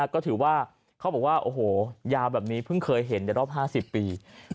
ก็ถือว่าเขาบอกว่าโอ้โหยาวแบบนี้เพิ่งเคยเห็นในรอบ๕๐ปี